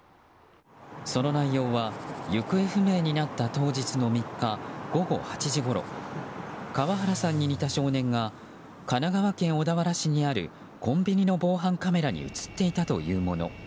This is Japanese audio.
その内容は行方不明になった当日の３日午後８時ごろ川原さんに似た少年が神奈川県小田原市にあるコンビニの防犯カメラに映っていたというもの。